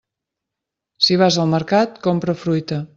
Si vas al mercat, compra fruita.